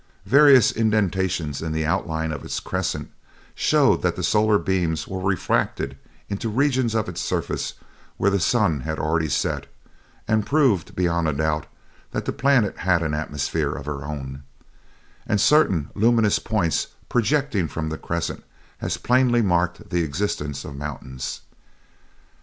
Various indentations in the outline of its crescent showed that the solar beams were refracted into regions of its surface where the sun had already set, and proved, beyond a doubt, that the planet had an atmosphere of her own; and certain luminous points projecting from the crescent as plainly marked the existence of mountains.